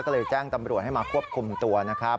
ก็เลยแจ้งตำรวจให้มาควบคุมตัวนะครับ